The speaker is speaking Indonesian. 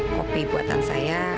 kopi buatan saya